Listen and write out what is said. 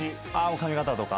髪形とか。